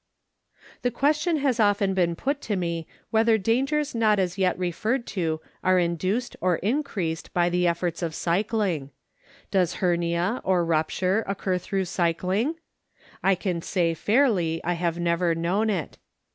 The question has often been put to me whether dangers not as yet referred to are induced or increased by the efforts of cycling. Does hernia, or rupture, occur through cycling ? I can say fairly I have never known it.